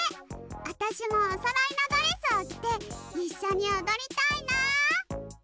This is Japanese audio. あたしもおそろいのドレスをきていっしょにおどりたいな！